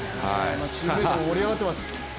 チームメートも盛り上がってます。